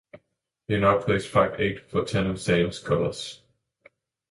He now plays five-eighth for Tannum Sands Gullaz.